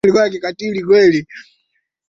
Utoaji huu wa damu hufanyika kwa sababu ya uzuiaji